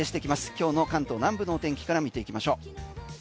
今日の関東南部の天気から見ていきましょう。